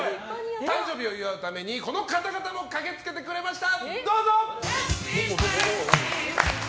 誕生日を祝うためにこの方々も駆けつけてくれました。